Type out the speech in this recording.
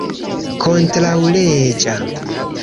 kontraŭleĝa